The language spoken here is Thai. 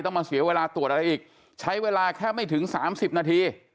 มาเสียเวลาตรวจอะไรอีกใช้เวลาแค่ไม่ถึง๓๐นาที